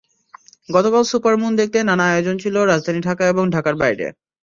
গতকাল সুপারমুন দেখতে নানা আয়োজন ছিল রাজধানী ঢাকা এবং ঢাকার বাইরে।